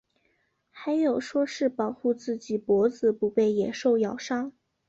还有说是保护自己脖子不被野兽咬伤。